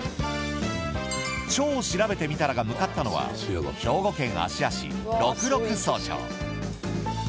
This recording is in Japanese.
「超しらべてみたら」が向かったのは兵庫県芦屋市六麓荘町。